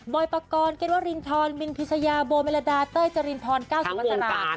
บอยปกรณ์เก็ตว่ารินทรมินพิษยาโบเมลดาเต้ยจรินทร๙๐วันสลัด